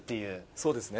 そうですね。